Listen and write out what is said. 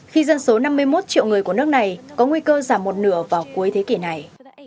khi dân số năm mươi một triệu người của nước này có nguy cơ giảm một nửa vào cuối thế kỷ này